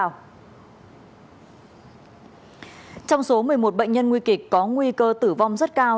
trong số một mươi một bệnh nhân nguy kịch có nguy cơ tử vong rất cao thì có bảy bệnh nhân nguy kịch có nguy cơ tử vong rất cao